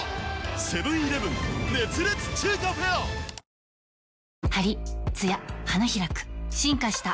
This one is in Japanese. セブン−イレブン熱烈中華フェア！わ！